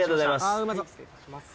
はい失礼いたします